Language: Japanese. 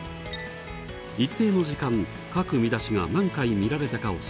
一定の時間各見出しが何回見られたかを調べたのがこちら。